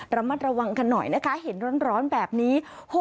ระมัดระวังกันหน่อยนะคะเห็นร้อนแบบนี้